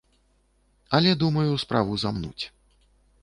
Але, думаю, справа замнуць.